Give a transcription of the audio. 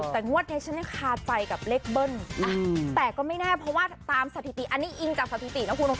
แต่งวดนี้ฉันยังคาใจกับเลขเบิ้ลแต่ก็ไม่แน่เพราะว่าตามสถิติอันนี้อิงจากสถิตินะคุณ